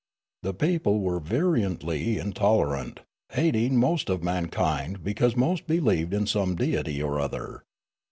The peo ple were virulently intolerant, hating most of mankind because most believed in some deity or other.